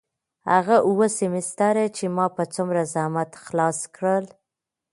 هغه اووه سمستره چې ما په څومره زحمت خلاص کړل.